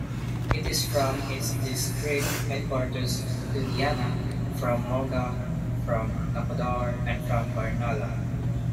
It is from its district headquarters Ludhiana, from Moga, from Nakodar, and from Barnala.